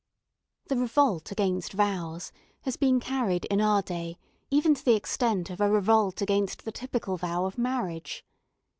The revolt against vows has been carried in our day even to the extent of a revolt against the typical vow of marriage.